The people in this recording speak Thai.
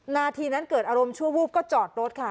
นาทีนั้นเกิดอารมณ์ชั่ววูบก็จอดรถค่ะ